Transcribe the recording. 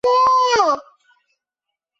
川崎新町站的铁路车站。